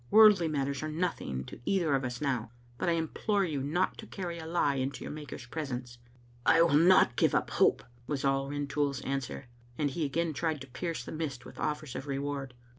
Worldly matters are nothing to either of us now, but I implore you not to carry a lie into your Maker's presence." "I will not give up hope," was all Rintoul's answer, and he again tried to pierce the mist with offers of re« ward.